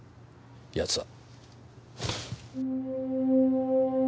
奴は。